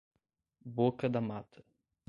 Boca da Mata